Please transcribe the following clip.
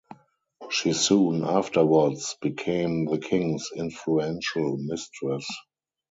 She soon afterwards became the king's influential mistress.